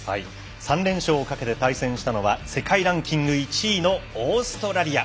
３連勝をかけて対戦したのは世界ランキング１位のオーストラリア。